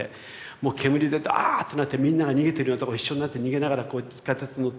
もう煙でダーッとなってみんなが逃げてるようなとこ一緒になって逃げながら地下鉄乗って。